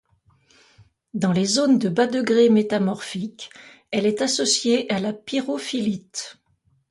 Dans les zones de bas degré métamorphique, elle est associée à la pyrophyllite.